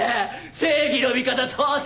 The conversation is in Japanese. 正義の味方登場！